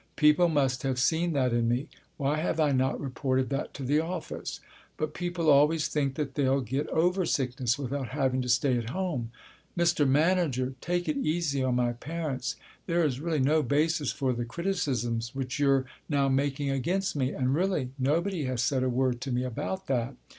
People must have seen that in me. Why have I not reported that to the office? But people always think that they'll get over sickness without having to stay at home. Mr. Manager! Take it easy on my parents! There is really no basis for the criticisms which you're now making against me, and really nobody has said a word to me about that.